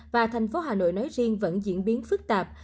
và thành phố hà nội nói riêng vẫn diễn biến phức tạp